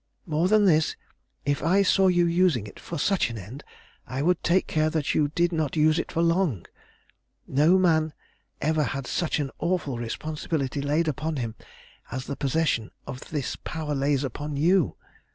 "More than this, if I saw you using it for such an end, I would take care that you did not use it for long. No man ever had such an awful responsibility laid upon him as the possession of this power lays upon you.